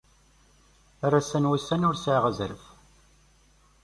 Ar assa n wussan ur yesɛi azref.